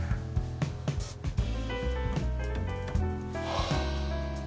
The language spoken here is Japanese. はあ